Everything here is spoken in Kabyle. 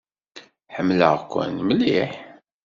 Ḥemmleɣ-ken mliḥ.